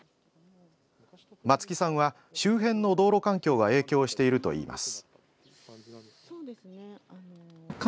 松木さんは、周辺の道路環境が影響しているといいます。